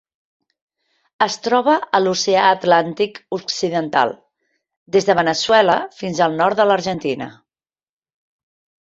Es troba a l'Oceà Atlàntic occidental: des de Veneçuela fins al nord de l'Argentina.